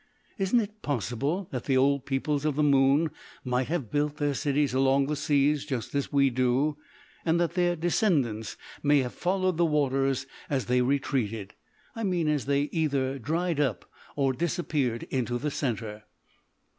"Isn't it possible that the old peoples of the moon might have built their cities along the seas just as we do, and that their descendants may have followed the waters as they retreated, I mean as they either dried up or disappeared into the centre?"